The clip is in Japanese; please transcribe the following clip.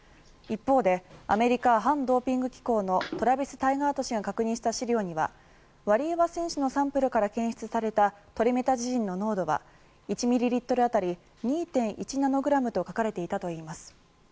一方でアメリカ反ドーピング機構のトラビス・タイガート氏が確認した資料にはワリエワ選手のサンプルから検出されたトリメタジジンの濃度は１ミリリットル当たり２．１ナノグラムと書かれていたといいます。